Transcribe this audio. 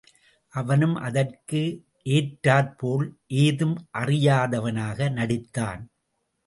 அவனும், அதற்கு ஏற்றார் போல் ஏதும் அறியதவனாக நடித்தான்.